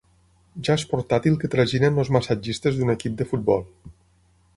Jaç portàtil que traginen els massatgistes d'un equip de futbol.